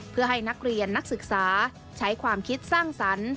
เพื่อให้นักเรียนนักศึกษาใช้ความคิดสร้างสรรค์